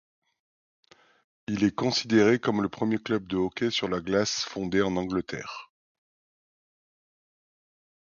Il est considéré comme le premier club de hockey sur glace fondé en Angleterre.